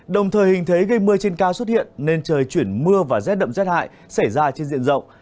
đồng thời hình thế gây mưa trên cao xuất hiện nên trời chuyển mưa và rét đậm rét hại xảy ra trên diện rộng